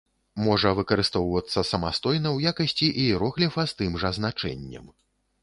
Можа выкарыстоўвацца самастойна ў якасці іерогліфа з тым жа значэннем.